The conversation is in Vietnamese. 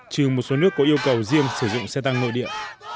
trừ một số nước có yêu cầu riêng sử dụng xe tăng nội địa